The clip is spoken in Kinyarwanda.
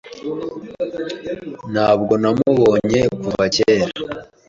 Ntabwo namubonye kuva kera.